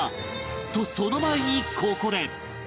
とその前にここで